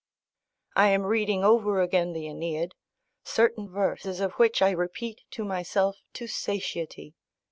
+ I am reading over again the Aeneid, certain verses of which I repeat to myself to satiety.